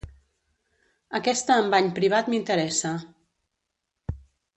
Aquesta amb bany privat m'interessa.